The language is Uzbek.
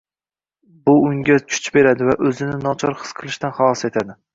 Bu unga kuch beradi va o‘zini nochor his qilishdan halos etadi.